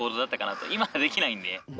今はできないんで。